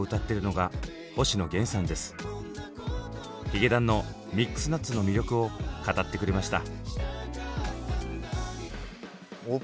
ヒゲダンの「ミックスナッツ」の魅力を語ってくれました。